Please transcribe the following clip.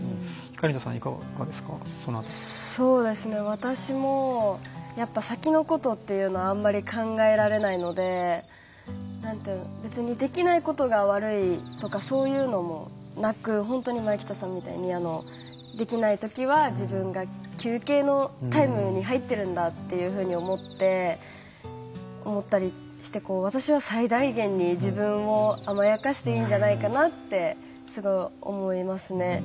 私もやっぱ先のことっていうのはあんまり考えられないので別にできないことが悪いとかそういうのもなく本当に前北さんみたいにできない時は自分が休憩のタイムに入ってるんだっていうふうに思ったりして私は最大限に自分を甘やかしていいんじゃないかなってすごい思いますね。